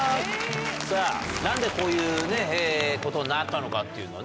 さぁ何でこういうことになったのかっていうのをね